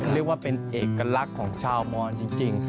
เรียกว่าเป็นเอกลักษณ์ของชาวมอนจริง